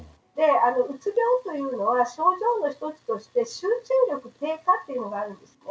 うつ病というのは症状の１つとして集中力低下というのがあるんですね。